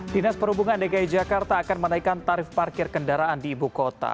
dinas perhubungan dki jakarta akan menaikkan tarif parkir kendaraan di ibu kota